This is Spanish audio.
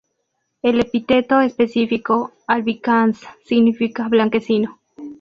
El epíteto específico "albicans" significa "blanquecino".